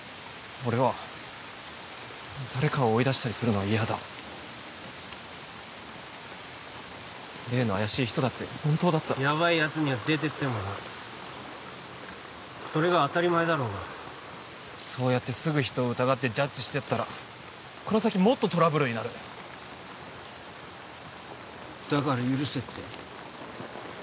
俺は誰かを追い出したりするのは嫌だ例の怪しい人だって本当だったらヤバいやつには出てってもらうそれが当たり前だろうがそうやってすぐ人を疑ってジャッジしてったらこの先もっとトラブルになるだから許せって？